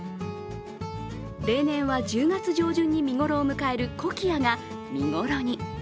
例年は１０月上旬に見頃を迎えるコキアが見頃に。